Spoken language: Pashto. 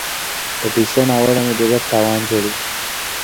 د پیسو ناوړه مدیریت تاوان جوړوي.